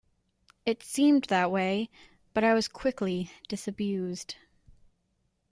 It seemed that way, but I was quickly disabused.